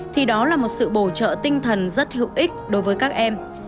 thì đó là một sự bổ trợ tinh thần rất hữu ích đối với các em